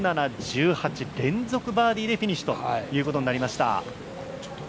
１７、１８、連続バーディーでフィニッシュということになりました。